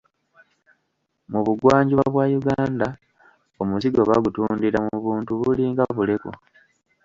Mu Bugwanjuba bwa Uganda omuzigo bagutundira mu buntu bulinga buleku.